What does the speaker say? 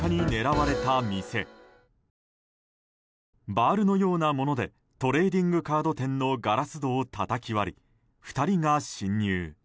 バールのようなものでトレーディングカード店のガラス戸をたたき割り２人が侵入。